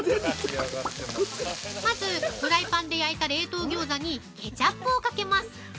まず、フライパンで焼いた冷凍ギョーザに、ケチャップをかけます。